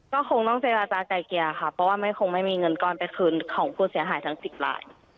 ก็คงต้องเจรจากลายเกลี่ยค่ะเพราะว่าไม่คงไม่มีเงินก้อนไปคืนของผู้เสียหายทั้ง๑๐ลาย